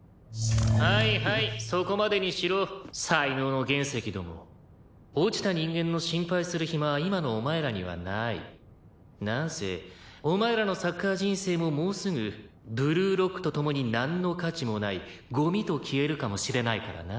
「はいはいそこまでにしろ才能の原石ども」「落ちた人間の心配する暇は今のお前らにはない」「なんせお前らのサッカー人生ももうすぐブルーロックと共になんの価値もないゴミと消えるかもしれないからな」